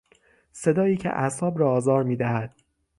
صدایی که اعصاب را آزار میدهد